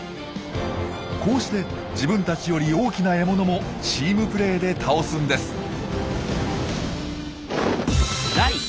こうして自分たちより大きな獲物もチームプレーで倒すんです。